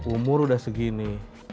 umur udah segini